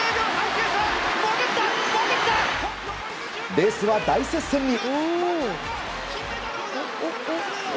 レースは大接戦に。